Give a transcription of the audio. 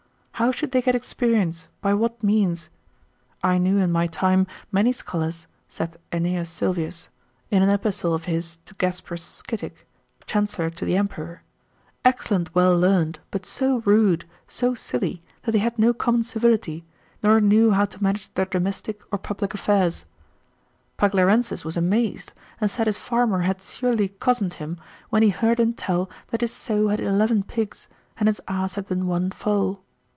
how should they get experience, by what means? I knew in my time many scholars, saith Aeneas Sylvius (in an epistle of his to Gasper Scitick, chancellor to the emperor), excellent well learned, but so rude, so silly, that they had no common civility, nor knew how to manage their domestic or public affairs. Paglarensis was amazed, and said his farmer had surely cozened him, when he heard him tell that his sow had eleven pigs, and his ass had but one foal.